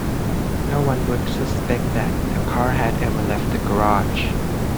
No one would suspect that the car had ever left the garage.